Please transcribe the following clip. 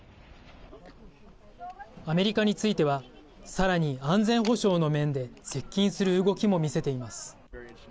アメリカについてはさらに安全保障の面で接近する動きも見せています。